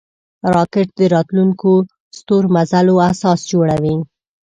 راکټ د راتلونکو ستورمزلو اساس جوړوي